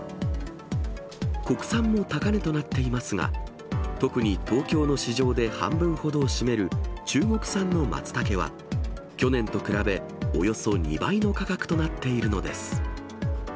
国産も高値となっていますが、特に東京の市場で半分ほどを占める中国産のまつたけは、去年と比べおよそ２倍の価格となっているのです。